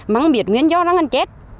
mắng biệt nguyên do đang ăn chết